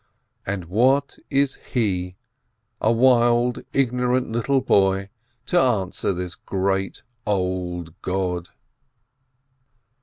And what is he, a wild, ignorant little boy, to answer this great, old God